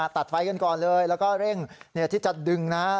จัดไฟกันก่อนเลยแล้วก็เร่งเนี่ยที่จะดึงนะ